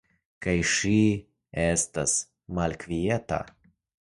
Kaj ŝi estas malkvieta.